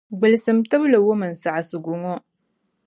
Gbilisim tibili wum n saɣisigu ŋo.